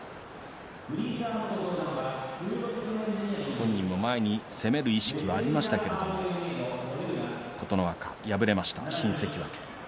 本人も前に攻める意識はありましたが琴ノ若、敗れました、新関脇。